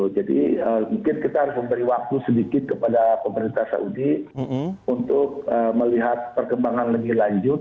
jadi mungkin kita harus memberi waktu sedikit kepada pemerintah saudi untuk melihat perkembangan lebih lanjut